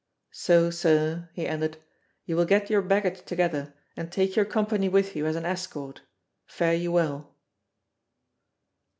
So, sir," he ended, "you will get your baggage together, and take your company with you as an escort. Fare you well."